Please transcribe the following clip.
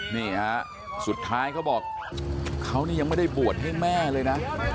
นี่ฮะสุดท้ายเขาบอกเขานี่ยังไม่ได้บวชให้แม่เลยนะ